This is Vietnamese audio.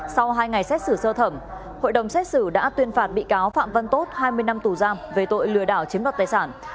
sau hai ngày xét xử sơ thẩm hội đồng xét xử đã tuyên phạt bị cáo phạm văn tốt hai mươi năm tù giam về tội lừa đảo chiếm đoạt tài sản